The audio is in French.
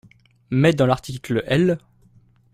Mais dans l’article L.